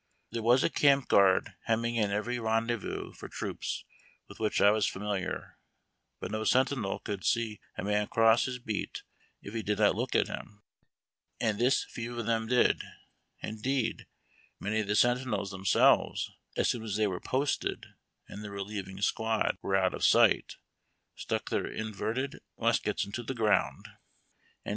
There was a camp guard hemming in every rendezvous for troops, with which I was familiar; but no sentinel could see a man cross his beat if he did not look at him, and this few of them did. Indeed, many of the sentinels themselves, as soon as they were })Osted and the relieving squad were out of sight, stuck their inverted nuiskets into the ground and 212 HARD TACK AND COFFEE.